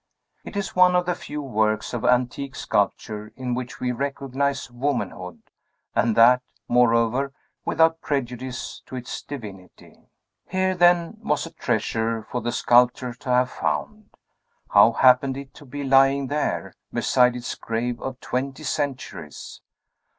It is one of the few works of antique sculpture in which we recognize womanhood, and that, moreover, without prejudice to its divinity. Here, then, was a treasure for the sculptor to have found! How happened it to be lying there, beside its grave of twenty centuries?